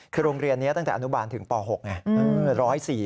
คือโรงเรียนนี้ตั้งแต่อนุบาลถึงป๖ไง